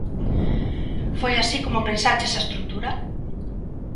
Foi así como pensaches a estrutura?